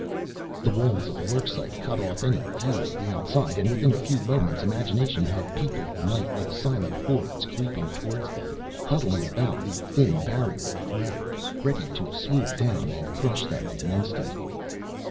The walls of the worksite cut off any view of the outside and within a few moments imagination had peopled the night with silent hordes creeping towards them, huddling about the thin barrier of leather, ready to swoop down and crush them in an instant.